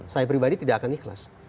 saya pribadi tidak akan ikhlas